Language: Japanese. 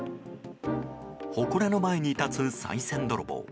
ほこらの前に立つ、さい銭泥棒。